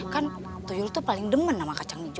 kan tuyul tuh paling demen sama kacang hijau